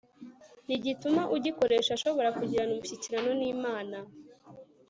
ntigituma ugikoresha ashobora kugirana umushyikirano n'imana